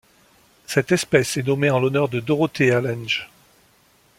Cette espèce est nommée en l'honneur de Dorothea Lange.